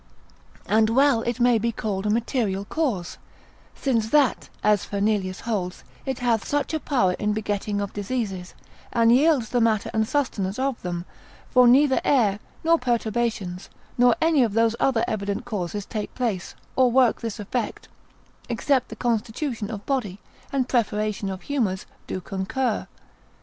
And well it may be called a material cause, since that, as Fernelius holds, it hath such a power in begetting of diseases, and yields the matter and sustenance of them; for neither air, nor perturbations, nor any of those other evident causes take place, or work this effect, except the constitution of body, and preparation of humours, do concur.